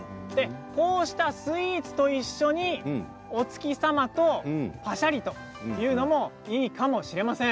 こうしたスイーツと一緒にお月様とパシャリというのもいいかもしれません。